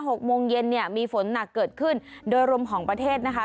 หกโมงเย็นเนี่ยมีฝนหนักเกิดขึ้นโดยรวมของประเทศนะคะ